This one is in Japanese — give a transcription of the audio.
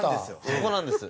そこなんです。